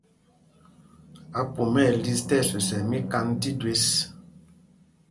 Ápumá ɛ liš tí ɛswesɛl míkand tí jüés.